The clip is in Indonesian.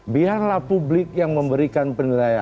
biarlah publik yang memberikan penilaian